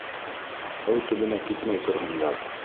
Һыу төбөнә китмәй торһондар.